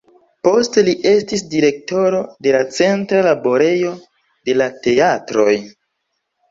Poste li estis direktoro de la Centra Laborejo de la Teatroj.